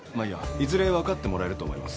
いずれわかってもらえると思います。